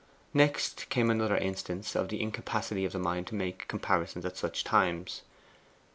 Next came another instance of the incapacity of the mind to make comparisons at such times.